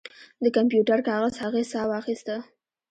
د کمپیوټر کاغذ هغې ساه واخیسته